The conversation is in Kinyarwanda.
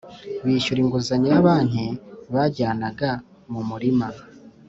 bishyura inguzanyo ya banki. Bajyanaga mu murima